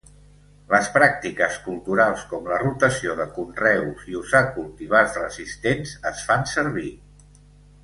Les pràctiques culturals com la rotació de conreus i usar cultivars resistents, es fan servir.